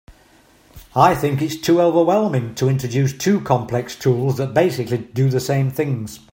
I think it’s too overwhelming to introduce two complex tools that basically do the same things.